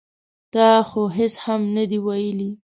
ـ تا خو هېڅ هم نه دي ویلي.